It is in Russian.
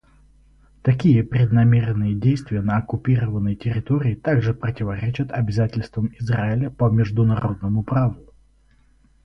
Такие преднамеренные действия на оккупированной территории также противоречат обязательствам Израиля по международному праву».